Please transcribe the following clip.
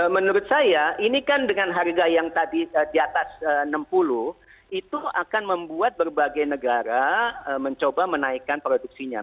menurut saya ini kan dengan harga yang tadi di atas enam puluh itu akan membuat berbagai negara mencoba menaikkan produksinya